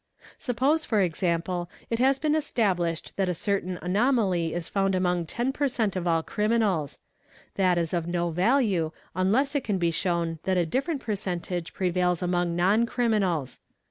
Suppose for example it has been establishec THE SCHOOL OF LOMBROSO 121 that a certain anomaly is found among 10 per cent. of all criminals ; that is of no value unless it can be shown that a different percentage prevails among non criminals.